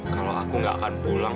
kalau aku nggak akan pulang